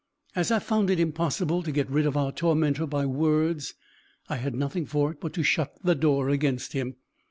"As I found it impossible to get rid of our tormentor by words, I had nothing for it, but to shut the door against him.